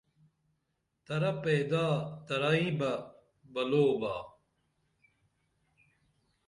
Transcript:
ترا پیدا ترئیں بہ بلو با